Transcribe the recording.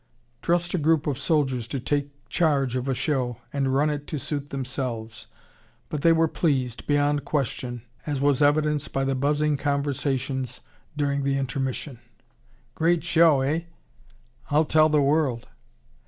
Trust a group of soldiers to take charge of a show and run it to suit themselves. But they were pleased, beyond question, as was evidenced by the buzzing conversations during the intermission. "Great show, eh?" "I'll tell the world!"